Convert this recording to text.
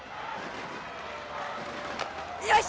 よし、